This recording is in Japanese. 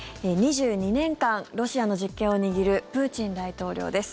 ２２年間ロシアの実権を握るプーチン大統領です。